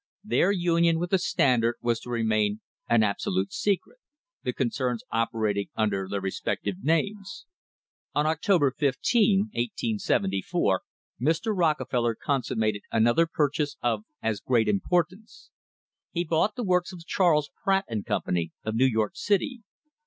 Their union with the Standard was to remain an absolute secret — the con cerns operating under their respective names.* On October 15, 1874, Mr. Rockefeller consummated an other purchase of as great importance. He bought the works of Charles Pratt and Company, of New York city.